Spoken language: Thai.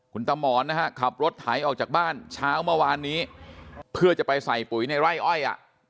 คุณตามหมอนนะฮะขับรถไถออกจากบ้านเช้าเมื่อวานนี้เพื่อจะไปใส่ปุ๋ยในไร่อ้อยอ่ะ